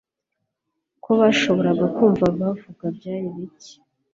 Ko bashoboraga kumva bavuga byari bike